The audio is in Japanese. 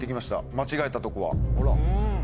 間違えたとこは。